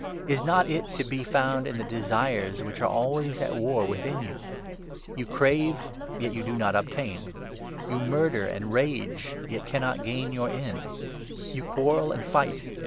Is not it to be found in the desires which are always at war within you ? You crave, yet do not obtain. You murder and 2 rage, yet cannot gain your end. You quarrel and fight.